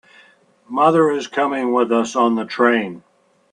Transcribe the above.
Mother is coming with us on the train.